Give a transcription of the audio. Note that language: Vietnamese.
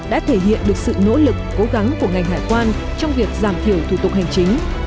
đã thể hiện được sự nỗ lực cố gắng của ngành hải quan trong việc giảm thiểu thủ tục hành chính